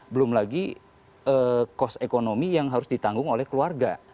belum lagi cost ekonomi yang harus ditanggung oleh keluarga